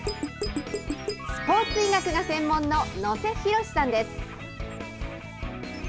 スポーツ医学が専門の能勢博さんです。